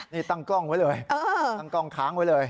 นี่ตั้งกล้องไว้เลยตั้งกล้องค้างไว้เลย